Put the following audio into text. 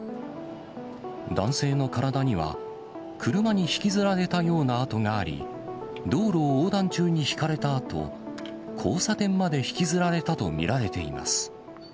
男性の体には、車に引きずられたような痕があり、道路を横断中にひかれたあと、交差点までひきずられたと見られています。